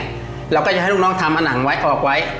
เราก็จะให้ลูกน้องทำผนังไว้ออกไว้